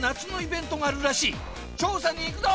調査に行くぞ！